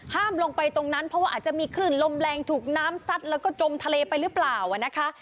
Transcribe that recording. ลงไปตรงนั้นเพราะว่าอาจจะมีคลื่นลมแรงถูกน้ำซัดแล้วก็จมทะเลไปหรือเปล่านะคะ